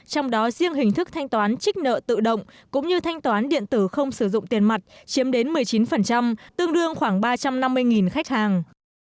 trong đó riêng hình thức thanh toán trích nợ tự động cũng như thanh toán điện tử không sử dụng tiền mặt chiếm đến một mươi chín tương đương khoảng ba trăm năm mươi khách hàng